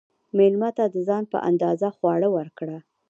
مېلمه ته د ځان په اندازه خواړه ورکړه.